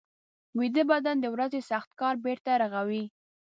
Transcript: ویده بدن د ورځې سخت کار بېرته رغوي